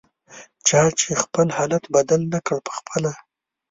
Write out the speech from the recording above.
چا چې خپل حالت بدل نکړ پخپله